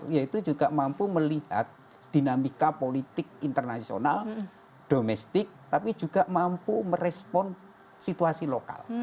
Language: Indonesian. yaitu juga mampu melihat dinamika politik internasional domestik tapi juga mampu merespon situasi lokal